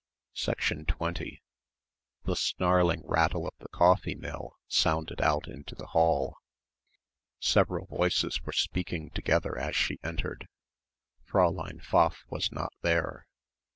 20 The snarling rattle of the coffee mill sounded out into the hall. Several voices were speaking together as she entered. Fräulein Pfaff was not there.